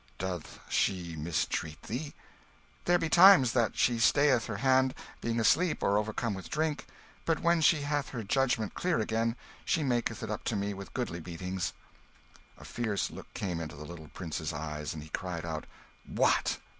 "Doth she mistreat thee?" "There be times that she stayeth her hand, being asleep or overcome with drink; but when she hath her judgment clear again, she maketh it up to me with goodly beatings." A fierce look came into the little prince's eyes, and he cried out "What!